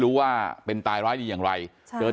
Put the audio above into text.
กลุ่มตัวเชียงใหม่